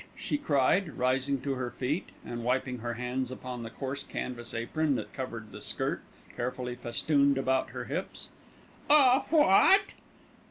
she cried, rising to her feet and wiping her hands upon the coarse canvas apron that covered the skirt carefully festooned about her hips. "A what?"